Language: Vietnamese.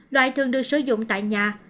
loại thường được sử dụng tại nhà